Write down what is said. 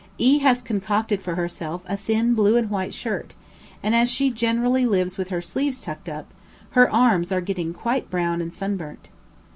E has concocted for herself a thin blue and white shirt, and as she generally lives with her sleeves tucked up, her arms are getting quite brown and sunburnt.